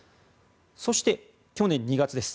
そして、去年２月です。